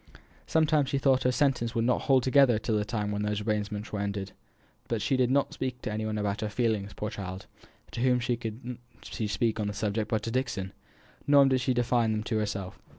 Sometimes she thought her senses would not hold together till the time when all these arrangements were ended. But she did not speak to any one about her feelings, poor child; to whom could she speak on the subject but to Dixon? Nor did she define them to herself.